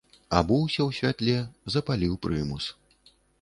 Абуўся ў святле, запаліў прымус.